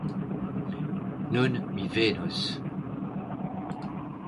Nun mi venos!